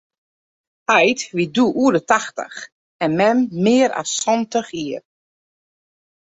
Heit wie doe oer de tachtich en mem mear as santich jier.